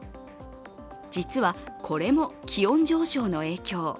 実はこれも気温上昇の影響。